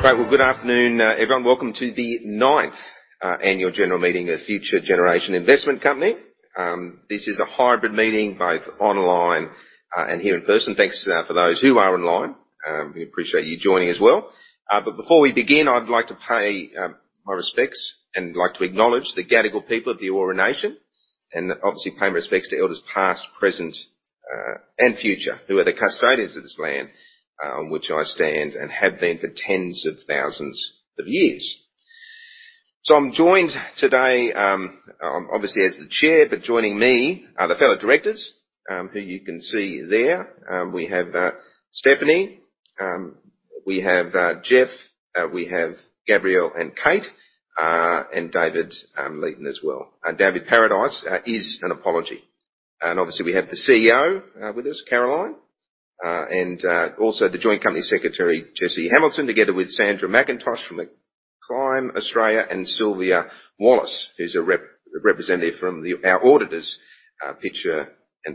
Right. Well, good afternoon, everyone. Welcome to the ninth annual general meeting of Future Generation Investment Company. This is a hybrid meeting, both online and here in person. Thanks for those who are online. We appreciate you joining as well. Before we begin, I'd like to pay my respects and like to acknowledge the Gadigal people of the Eora Nation and obviously paying respects to elders past, present, and future who are the custodians of this land, which I stand and have been for tens of thousands of years. I'm joined today, obviously as the chair, but joining me are the fellow directors who you can see there. We have Stephanie, we have Geoff, we have Gabriel and Kate, and David Leeton as well. David Paradice is on apology. Obviously we have the CEO with us, Caroline, and also the joint company secretary, Jesse Hamilton, together with Sandra McIntosh from Acclime Australia, and Sylvia Wallace, who's a representative from our auditors, Pitcher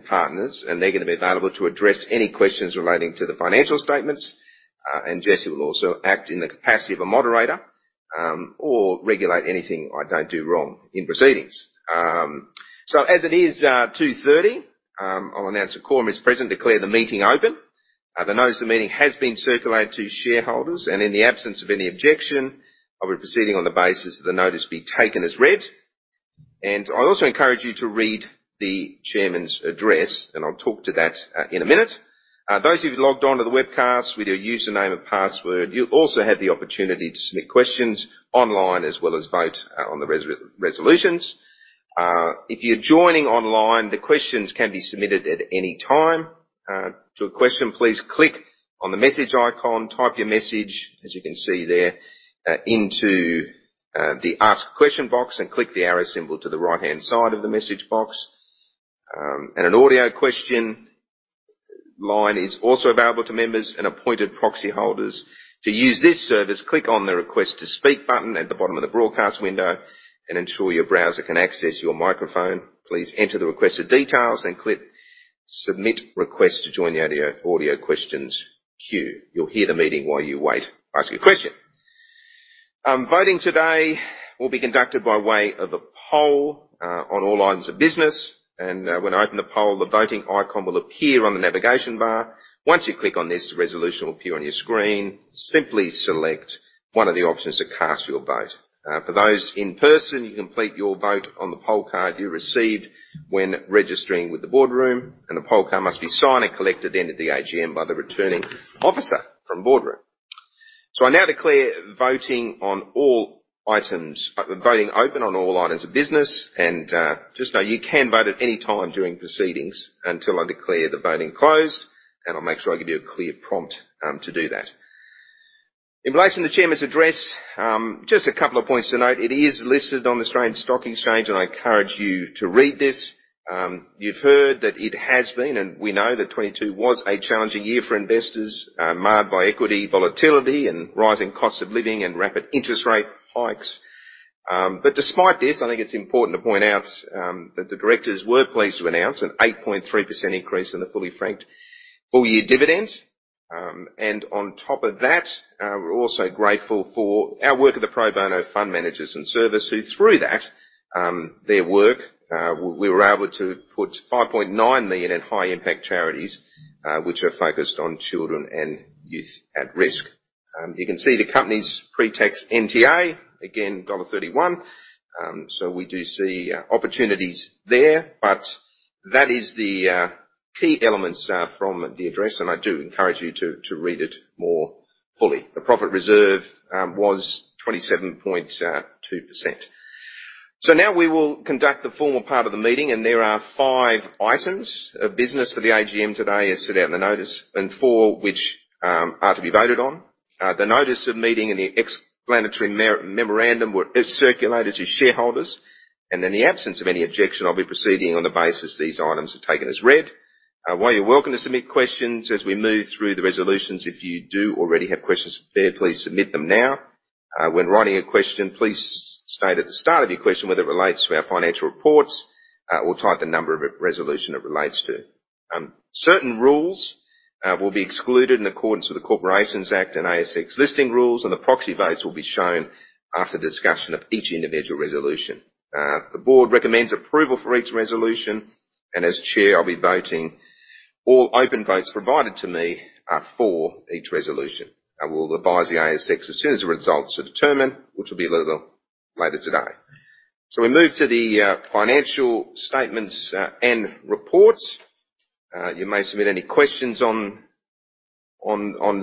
Partners, and they're gonna be available to address any questions relating to the financial statements. Jesse will also act in the capacity of a moderator, or regulate anything I don't do wrong in proceedings. As it is 2:30, I'll announce a quorum is present, declare the meeting open. The notice of the meeting has been circulated to shareholders, and in the absence of any objection, I'll be proceeding on the basis that the notice be taken as read. I also encourage you to read the chairman's address, and I'll talk to that in a minute. Those of you who logged onto the webcast with your username and password, you also had the opportunity to submit questions online as well as vote on the resolutions. If you're joining online, the questions can be submitted at any time. To question, please click on the message icon, type your message, as you can see there, into the Ask Question box and click the arrow symbol to the right-hand side of the message box. An audio question line is also available to members and appointed proxy holders. To use this service, click on the Request to Speak button at the bottom of the broadcast window and ensure your browser can access your microphone. Please enter the requested details and click Submit Request to join the audio questions queue. You'll hear the meeting while you wait to ask your question. Voting today will be conducted by way of a poll, on all items of business. When I open the poll, the Voting icon will appear on the navigation bar. Once you click on this, the resolution will appear on your screen. Simply select one of the options to cast your vote. For those in person, you complete your vote on the poll card you received when registering with the BoardRoom, and the poll card must be signed and collected then at the AGM by the returning officer from BoardRoom. I now declare voting open on all items of business. Just know you can vote at any time during proceedings until I declare the voting closed, and I'll make sure I give you a clear prompt to do that. In relation to the chairman's address, just a couple of points to note. It is listed on the Australian Securities Exchange, and I encourage you to read this. You've heard that it has been, and we know that 2022 was a challenging year for investors, marred by equity volatility and rising costs of living and rapid interest rate hikes. But despite this, I think it's important to point out that the directors were pleased to announce an 8.3% increase in the fully franked full-year dividend. On top of that, we're also grateful for our work of the pro bono fund managers and service who through that, their work, we were able to put 5.9 million in high-impact charities, which are focused on children and youth at risk. You can see the company's pre-tax NTA, again, dollar 1.31. We do see opportunities there, but that is the key elements from the address. I do encourage you to read it more fully. The profit reserve was 27.2%. Now we will conduct the formal part of the meeting. There are five items of business for the AGM today as set out in the notice, and four which are to be voted on. The notice of meeting and the explanatory memorandum were circulated to shareholders. In the absence of any objection, I'll be proceeding on the basis these items are taken as read. While you're welcome to submit questions as we move through the resolutions, if you do already have questions prepared, please submit them now. When writing a question, please state at the start of your question whether it relates to our financial reports or type the number of resolution it relates to. Certain rules will be excluded in accordance with the Corporations Act and ASX listing rules, and the proxy votes will be shown after discussion of each individual resolution. The board recommends approval for each resolution, and as chair, I'll be voting all open votes provided to me for each resolution. I will advise the ASX as soon as the results are determined, which will be a little later today. We move to the financial statements and reports. You may submit any questions on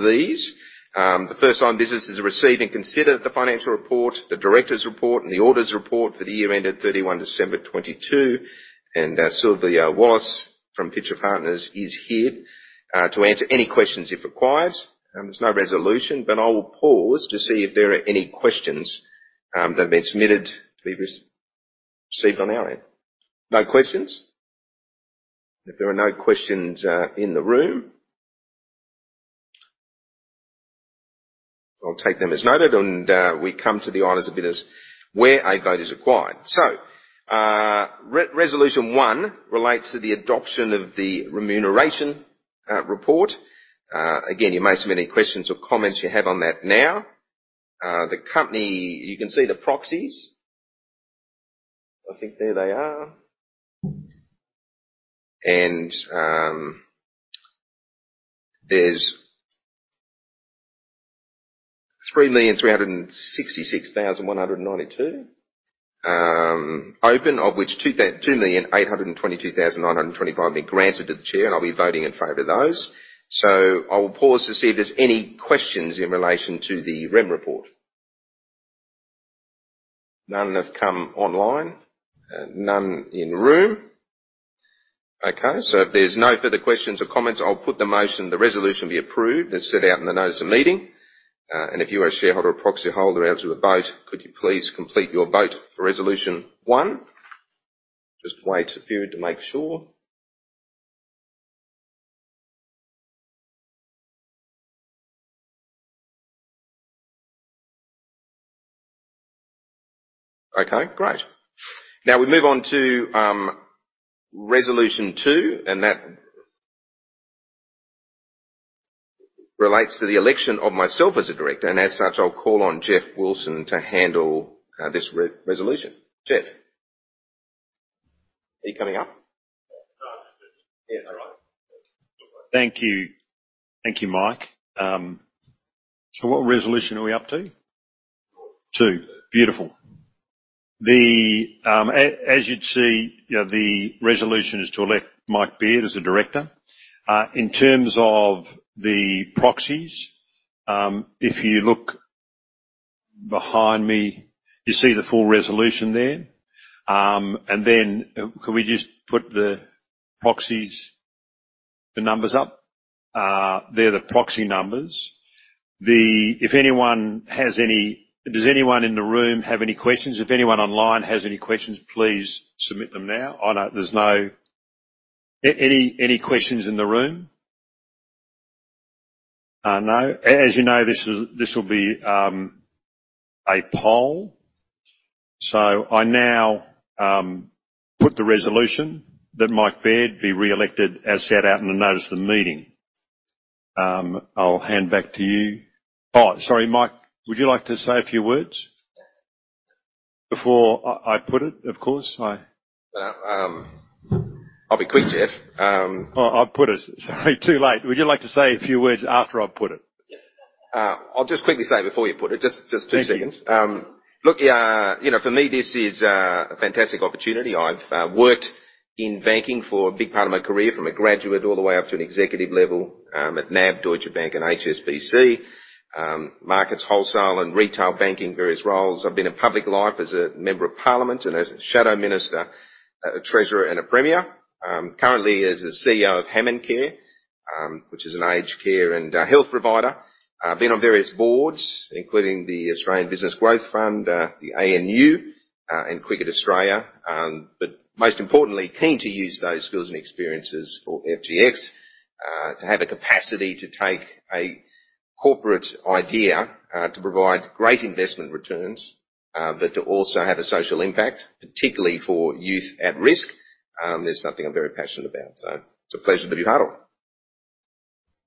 these. The first item of business is to receive and consider the financial report, the director's report, and the auditor's report for the year ended December 31, 2022. Sylvia Wallace from Pitcher Partners is here to answer any questions if required. There's no resolution, but I will pause to see if there are any questions that have been submitted to be received on our end. No questions? If there are no questions in the room, I'll take them as noted, we come to the items of business where a vote is required. Resolution one relates to the adoption of the remuneration report. Again, you may submit any questions or comments you have on that now. You can see the proxies. I think there they are. There's 3,366,192 open, of which 2,822,925 have been granted to the chair, and I'll be voting in favor of those. I will pause to see if there's any questions in relation to the rem report. None have come online. None in room. Okay. If there's no further questions or comments, I'll put the motion, the resolution be approved as set out in the notice of meeting. If you are a shareholder or proxy holder out to the vote, could you please complete your vote for resolution one? Just wait a few to make sure. Okay, great. Now we move on to resolution two, and that relates to the election of myself as a director, and as such, I'll call on Geoff Wilson to handle this re-resolution. Geoff. Are you coming up? Yeah. All right. Thank you. Thank you, Mike. What resolution are we up to? two. Beautiful. As you'd see, you know, the resolution is to elect Mike Baird as a director. In terms of the proxies, if you look behind me, you see the full resolution there. Can we just put the proxies, the numbers up? They're the proxy numbers. If anyone has any... Does anyone in the room have any questions? If anyone online has any questions, please submit them now. I know there's no... Any questions in the room? No. As you know, this will be a poll. I now put the resolution that Mike Baird be reelected as set out in the notice of the meeting. I'll hand back to you. Oh, sorry. Mike, would you like to say a few words before I put it? Of course. I- I'll be quick, Geoff. Oh, I'll put it. Sorry. Too late. Would you like to say a few words after I've put it? I'll just quickly say before you put it. Just two seconds. Thank you. Look, you know, for me, this is a fantastic opportunity. I've worked in banking for a big part of my career, from a graduate all the way up to an executive level, at NAB, Deutsche Bank, and HSBC, markets, wholesale and retail banking, various roles. I've been in public life as a member of parliament and as a shadow minister, a treasurer, and a premier. Currently as a CEO of HammondCare, which is an aged care and a health provider. Been on various boards, including the Australian Business Growth Fund, the ANU, and Cricket Australia. But most importantly, keen to use those skills and experiences for FGX, to have a capacity to take a corporate idea, to provide great investment returns, but to also have a social impact, particularly for youth at risk. That's something I'm very passionate about. It's a pleasure to be part of.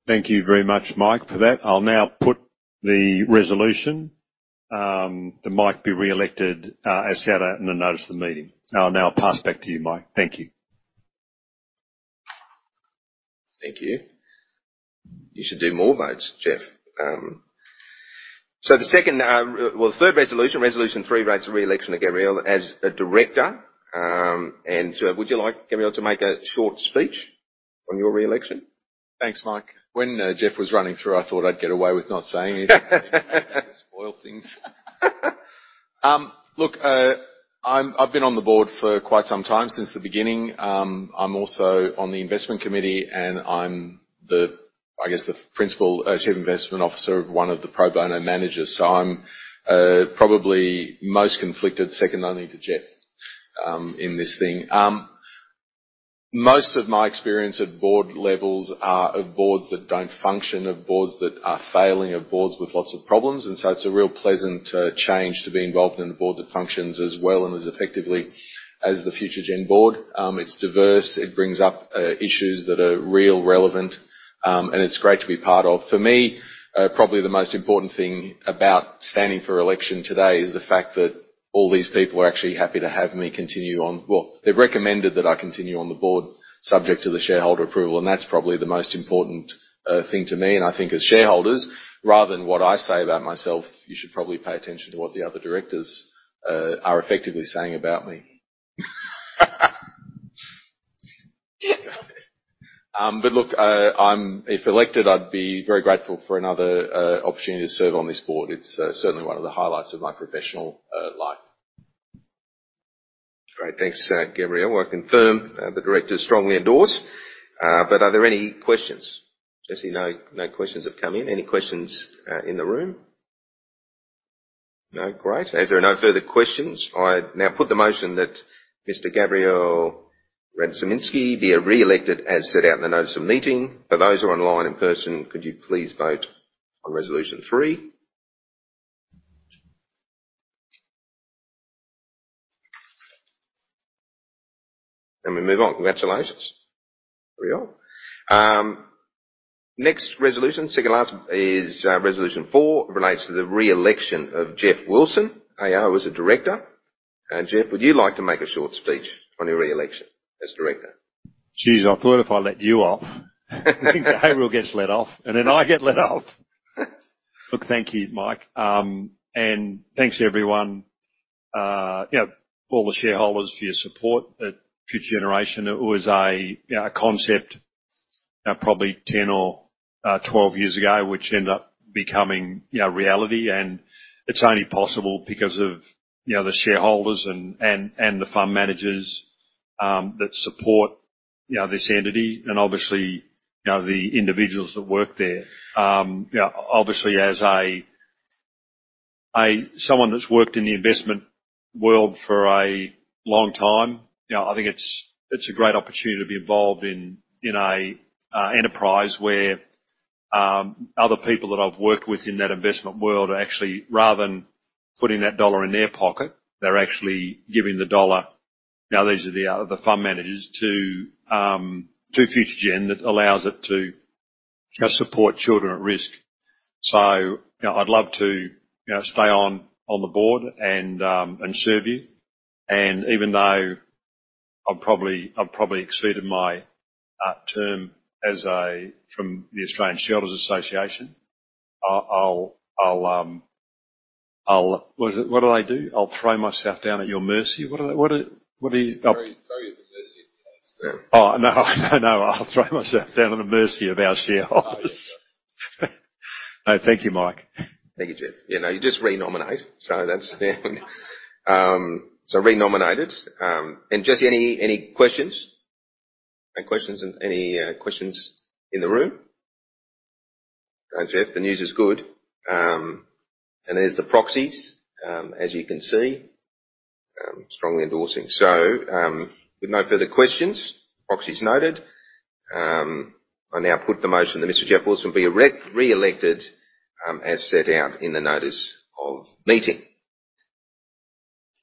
Thank you very much, Mike, for that. I'll now put the resolution, that Mike be reelected, as set out in the notice of the meeting. I'll now pass back to you, Mike. Thank you. Thank you. You should do more votes, Geoff. The second, third resolution 3, writes a reelection of Gabriel as a director. Would you like Gabriel to make a short speech on your reelection? Thanks, Mike. When Geoff was running through, I thought I'd get away with not saying anything to spoil things. Look, I've been on the board for quite some time since the beginning. I'm also on the investment committee, and I'm the, I guess, the principal, chief investment officer of one of the pro bono managers. I'm probably most conflicted, second only to Geoff, in this thing. Most of my experience at board levels are of boards that don't function, of boards that are failing, of boards with lots of problems. It's a real pleasant change to be involved in a board that functions as well and as effectively as the Future Generation board. It's diverse. It brings up issues that are real relevant. It's great to be part of. For me, probably the most important thing about standing for election today is the fact that all these people are actually happy to have me continue on. They've recommended that I continue on the board subject to the shareholder approval, and that's probably the most important thing to me. I think as shareholders, rather than what I say about myself, you should probably pay attention to what the other directors are effectively saying about me. Look, If elected, I'd be very grateful for another opportunity to serve on this board. It's certainly one of the highlights of my professional life. Great. Thanks, Gabriel. I confirm the directors strongly endorse. Are there any questions? Jesse? No, no questions have come in. Any questions in the room? No. Great. As there are no further questions, I now put the motion that Mr. Gabriel Radzyminski be reelected as set out in the notice of meeting. For those who are online, in person, could you please vote on resolution 3? We move on. Congratulations. Very well. Next resolution, second last is resolution 4 relates to the re-election of Geoff Wilson, AO was a director. Geoff, would you like to make a short speech on your re-election as director? Jeez. I thought if I let you off, Gabriel gets let off, and then I get let off. Look, thank you, Mike. Thanks everyone. You know, all the shareholders for your support. That Future Generation was a, you know, a concept, you know, probably 10 or 12 years ago, which ended up becoming, you know, reality. It's only possible because of, you know, the shareholders and the fund managers that support, you know, this entity and obviously, you know, the individuals that work there. you know, obviously as a someone that's worked in the investment world for a long time, you know, I think it's a great opportunity to be involved in an enterprise where other people that I've worked with in that investment world are actually rather than putting that dollar in their pocket, they're actually giving the dollar. Now, these are the fund managers to Future Generation that allows it to, you know, support children at risk. you know, I'd love to, you know, stay on the board and serve you. Even though I've probably exceeded my term as a from the Australian Shareholders' Association, I'll... What do I do? I'll throw myself down at your mercy. What do you? Throw you at the mercy of the shareholders. Oh, no, no. I'll throw myself down at the mercy of our shareholders. No, thank you, Mike. Thank you, Geoff. Yeah, no, you just re-nominate. That's re-nominated. Jesse, any questions? Any questions? Any questions in the room? All right, Geoff, the news is good. There's the proxies, as you can see, strongly endorsing. With no further questions, proxies noted. I now put the motion that Mr. Geoff Wilson be re-elected, as set out in the notice of meeting.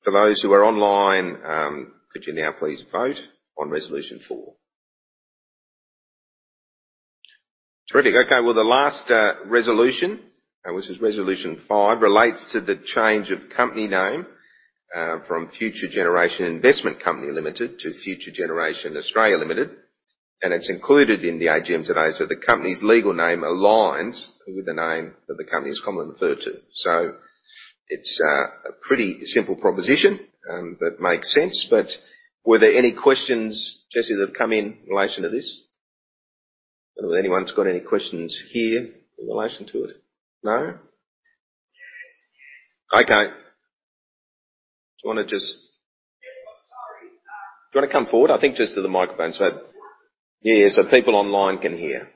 For those who are online, could you now please vote on resolution 4. Terrific. Okay. The last resolution, this is resolution 5, relates to the change of company name from Future Generation Investment Company Limited to Future Generation Australia Limited. It's included in the AGM today, so the company's legal name aligns with the name that the company is commonly referred to. It's a pretty simple proposition that makes sense. Were there any questions, Jesse, that have come in relation to this? Anyone's got any questions here in relation to it? No. Yes. Yes. Okay. Do you wanna? Yes, I'm sorry. Do you want to come forward? I think just to the microphone so- Sure. Yeah, yeah, people online can hear.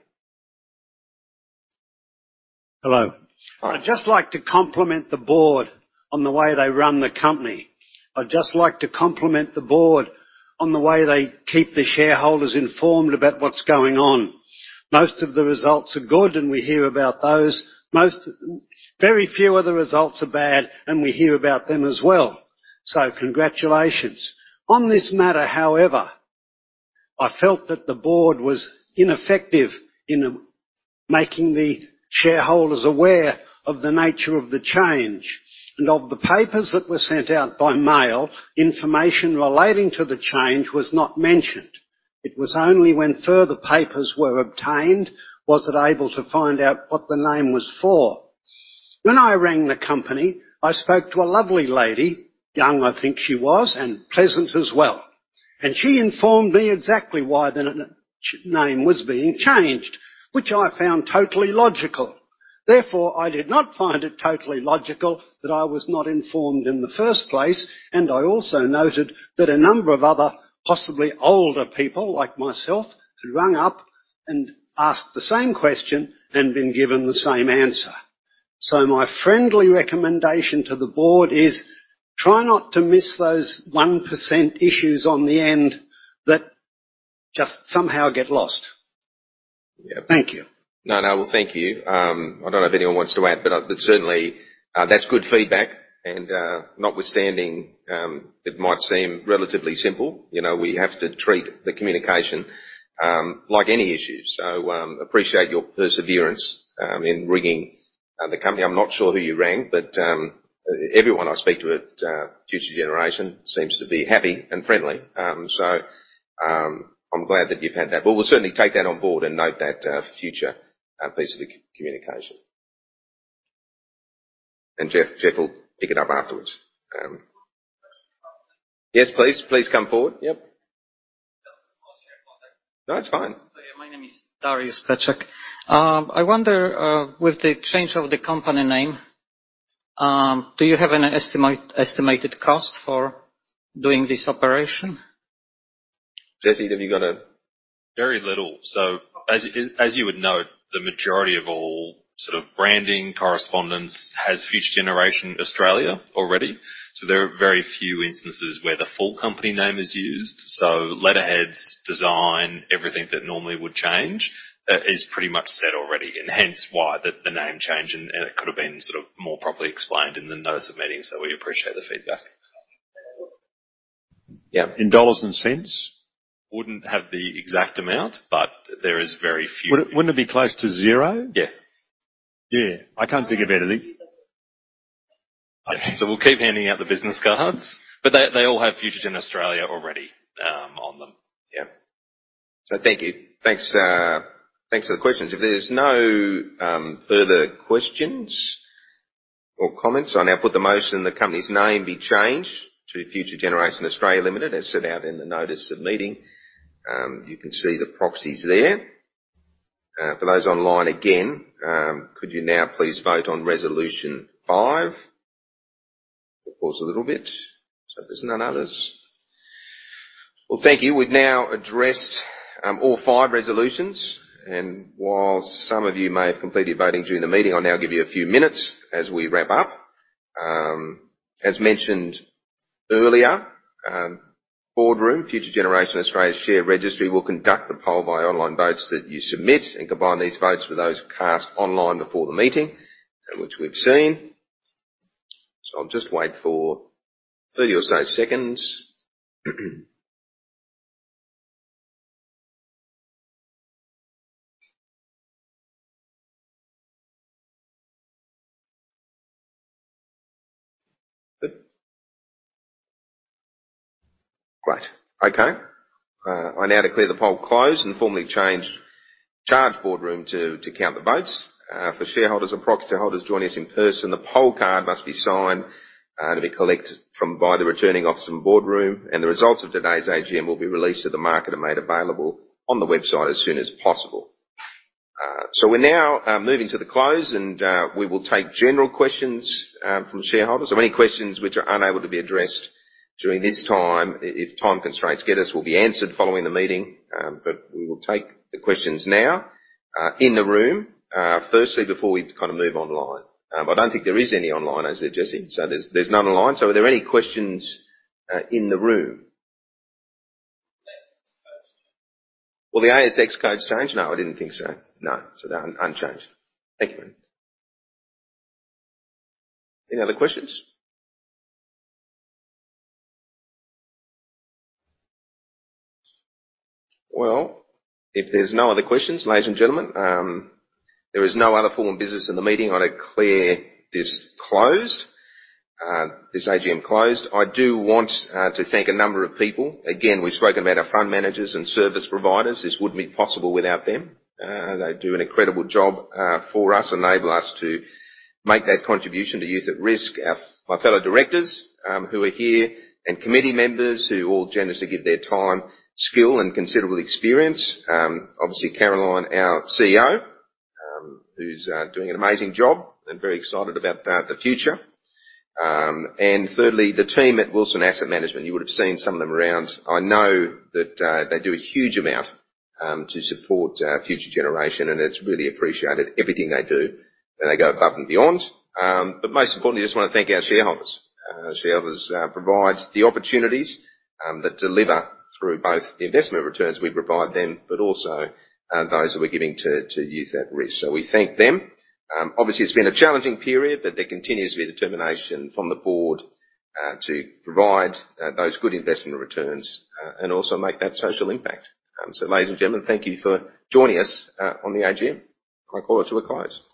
Hello. I'd just like to compliment the board on the way they run the company. I'd just like to compliment the board on the way they keep the shareholders informed about what's going on. Most of the results are good, and we hear about those. Very few of the results are bad, and we hear about them as well. Congratulations. On this matter, however, I felt that the board was ineffective in making the shareholders aware of the nature of the change. Of the papers that were sent out by mail, information relating to the change was not mentioned. It was only when further papers were obtained was that able to find out what the name was for. When I rang the company, I spoke to a lovely lady, young, I think she was, and pleasant as well. She informed me exactly why the name was being changed, which I found totally logical. Therefore, I did not find it totally logical that I was not informed in the first place. I also noted that a number of other, possibly older people like myself, had rung up and asked the same question and been given the same answer. My friendly recommendation to the board is try not to miss those 1% issues on the end that just somehow get lost. Yeah. Thank you. No, no. Well, thank you. I don't know if anyone wants to add, but certainly, that's good feedback and, notwithstanding, it might seem relatively simple, you know, we have to treat the communication like any issue. So, appreciate your perseverance in ringing the company. I'm not sure who you rang, but everyone I speak to at Future Generation seems to be happy and friendly. So, I'm glad that you've had that. But we'll certainly take that on board and note that future piece of the communication. And Geoff will pick it up afterwards. Question. Yes, please. Please come forward. Yep. Just a small shareholder. No, it's fine. Yeah, my name is Darius Pechak. I wonder, with the change of the company name, do you have an estimated cost for doing this operation? Jesse, have you got a... Very little. As you would know, the majority of all sort of branding correspondence has Future Generation Australia already. There are very few instances where the full company name is used. Letterheads, design, everything that normally would change, is pretty much set already and hence why the name change and it could have been sort of more properly explained in the notice of meeting. We appreciate the feedback. Yeah. In dollars and cents? Wouldn't have the exact amount, but there is very few. Wouldn't it be close to zero? Yeah. Yeah. I can't think of anything. We'll keep handing out the business cards. They all have Future Generation Australia already on them. Yeah. Thank you. Thanks, thanks for the questions. If there's no further questions or comments, I now put the motion that company's name be changed to Future Generation Australia Limited as set out in the notice of meeting. You can see the proxies there. For those online, again, could you now please vote on resolution 5? Pause a little bit so there's none others. Well, thank you. We've now addressed all five resolutions. While some of you may have completed your voting during the meeting, I'll now give you a few minutes as we wrap up. As mentioned earlier, BoardRoom Future Generation Australia share registry will conduct the poll via online votes that you submit and combine these votes with those cast online before the meeting, and which we've seen. I'll just wait for 30 or so seconds. Great. Okay. I now declare the poll closed and formally charge BoardRoom to count the votes. For shareholders and proxy holders joining us in person, the poll card must be signed to be collected by the returning officer and BoardRoom, and the results of today's AGM will be released to the market and made available on the website as soon as possible. We're now moving to the close, and we will take general questions from shareholders or any questions which are unable to be addressed during this time, if time constraints get us, will be answered following the meeting. We will take the questions now in the room, firstly before we kind of move online. I don't think there is any online, as they just said. There's none online. Are there any questions in the room? ASX code's changed? Will the ASX code change? No, I didn't think so. No. They're unchanged. Thank you. Any other questions? If there's no other questions, ladies and gentlemen, there is no other formal business in the meeting. I declare this closed, this AGM closed. I do want to thank a number of people. Again, we've spoken about our fund managers and service providers. This wouldn't be possible without them. They do an incredible job for us, enable us to make that contribution to youth at risk. My fellow directors, who are here, and committee members who all generously give their time, skill, and considerable experience. Obviously Caroline, our CEO, who's doing an amazing job. I'm very excited about the future. Thirdly, the team at Wilson Asset Management. You would have seen some of them around. I know that they do a huge amount to support Future Generation, and it's really appreciated everything they do, and they go above and beyond. Most importantly, I just wanna thank our shareholders. Shareholders provides the opportunities that deliver through both the investment returns we provide them, but also those who we're giving to youth at risk. We thank them. Obviously it's been a challenging period, but there continues to be determination from the Board to provide those good investment returns and also make that social impact. Ladies and gentlemen, thank you for joining us on the AGM. I call it to a close.